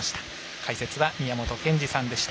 解説は宮本賢二さんでした。